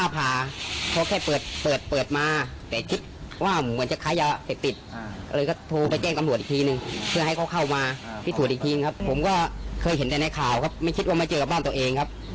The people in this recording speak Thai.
ผมก็เคยเห็นแต่ในข่าวครับไม่คิดว่ามาเจอกับบ้านตัวเองครับ